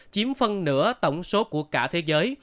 chiếm phân nửa tổng số của cả thế giới